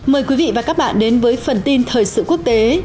mời quý vị và các bạn đến với phần tin thời sự quốc tế